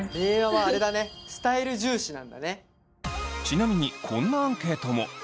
ちなみにこんなアンケートも！